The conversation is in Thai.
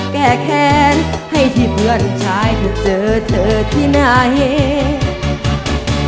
แก้แค้นให้ที่เพื่อนชายเธอเจอเธอที่ไหน